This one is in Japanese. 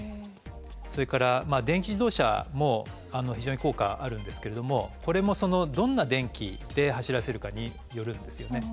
それから電気自動車も非常に効果あるんですけれどもこれもどんな電気で走らせるかによるんですよね。